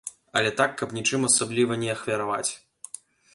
Але так, каб нічым асабліва не ахвяраваць.